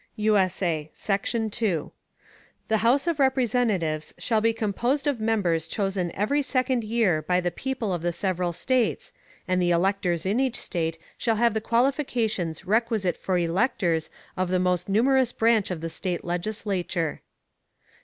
[USA] Section 2. The House of Representatives shall be composed of Members chosen every second Year by the People of the several States, and the Electors in each State shall have the Qualifications requisite for Electors of the most numerous Branch of the State Legislature.